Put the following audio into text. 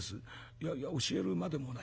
「いやいや教えるまでもない。